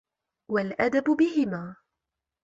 وَالْأَدَبُ بِهِمَا